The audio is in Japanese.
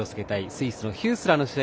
スイスのヒュースラーの試合